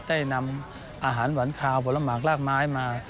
ได้นำอาหารหวานคาวผลหมากลากไม้มา